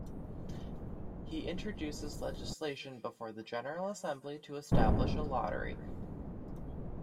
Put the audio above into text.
He introduces legislation before the General Assembly to establish a lottery.